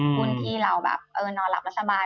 หุ้นที่เราแบบนอนหลับแล้วสบาย